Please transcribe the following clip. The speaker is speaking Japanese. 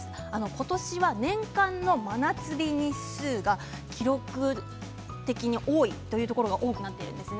今年は年間の真夏日日数が記録的に多いというところが多くなっているんです。